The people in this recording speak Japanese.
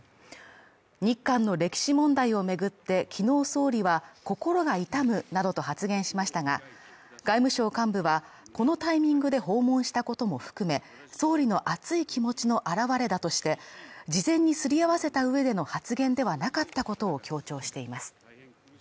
日韓の歴史問題を巡って昨日総理は心が痛むなどと発言しましたが、外務省幹部はこのタイミングで訪問したことも含め、総理の熱い気持ちの表れだとして、事前にすり合わせた上での発言ではなかったことを強調しています。